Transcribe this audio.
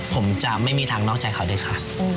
ผมจะไม่มีทางนอกใจเขาด้วยค่ะ